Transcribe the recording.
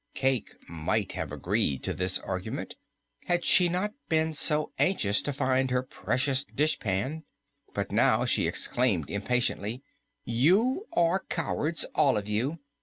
Cayke might have agreed to this argument had she not been so anxious to find her precious dishpan, but now she exclaimed impatiently, "You are cowards, all of you!